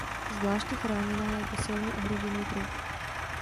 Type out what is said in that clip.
Zvláště chráněná jako silně ohrožený druh.